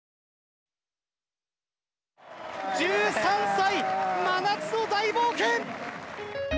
１３歳真夏の大冒険！